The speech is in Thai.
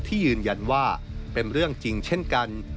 ยืนยันว่าเป็นเรื่องจริงเช่นกัน